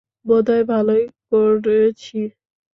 বোধহয় ভালোই করেছি।